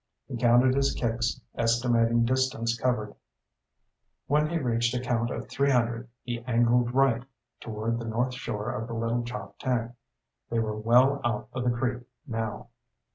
He counted his kicks, estimating distance covered. When he reached a count of three hundred he angled right, toward the north shore of the Little Choptank. They were well out of the creek now.